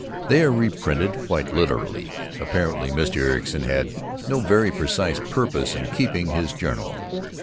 They are reprinted quite literally. Apparently Mr. Ericson had no very precise purpose in keeping his journal.